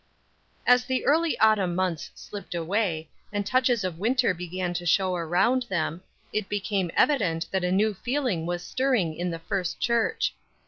AS the early autumn months slipped away, and touches of winter began to show around them, it became evident that a new feeling was stirring in the First Church.